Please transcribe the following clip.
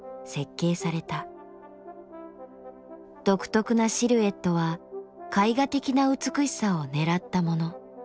独特なシルエットは絵画的な美しさをねらったもの。